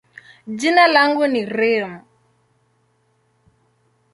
jina langu ni Reem.